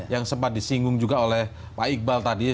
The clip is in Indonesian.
yang sempat disinggung juga oleh pak iqbal tadi